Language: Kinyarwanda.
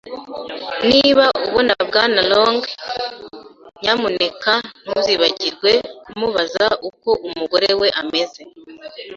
Niba ubona Bwana Long, nyamuneka ntuzibagirwe kumubaza uko umugore we ameze.